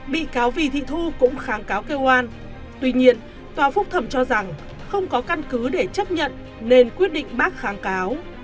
bị cáo vì thị thu cũng kháng cáo kêu an tuy nhiên tòa phúc thẩm cho rằng không có căn cứ để chấp nhận nên quyết định bác kháng cáo